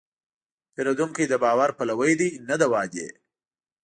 پیرودونکی د باور پلوي دی، نه د وعدې.